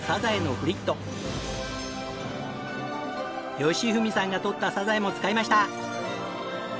好郁さんが採ったサザエも使いました！